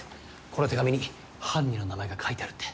この手紙に犯人の名前が書いてあるって。